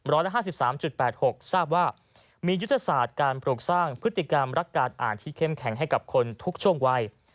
ร้อยละ๕๓๘๖ทราบว่ามียุทธศาสตร์การปลูกสร้างพฤติกรรมรักการอ่านที่เข้มแข็งให้กับคนทุกช่วงวัย